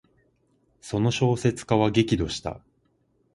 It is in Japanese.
その小説家は激怒した。